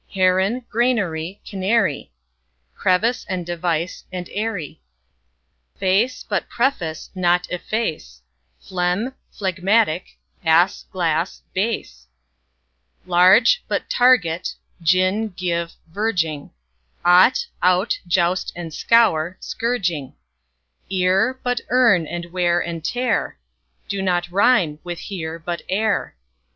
Heron; granary, canary; Crevice, and device, and eyrie; Face but preface, but efface, Phlegm, phlegmatic; ass, glass, bass; Large, but target, gin, give, verging; Ought, out, joust and scour, but scourging; Ear, but earn; and wear and tear Do not rime with "here", but "ere".